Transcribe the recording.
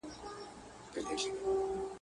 زما د نیکه ستا د ابا دا نازولی وطن.